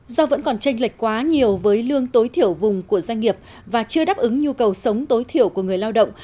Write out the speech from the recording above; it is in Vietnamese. do vẫn còn tranh lệch quá nhiều với lương tối thiểu vùng của doanh nghiệp và chưa đáp ứng nhu cầu sống tối thiểu của người lao động